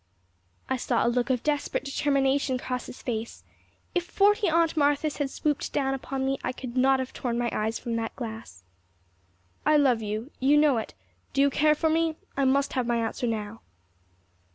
I saw a look of desperate determination cross his face. If forty Aunt Marthas had swooped down upon me, I could not have torn my eyes from that glass. "I love you. You know it. Do you care for me? I must have my answer now."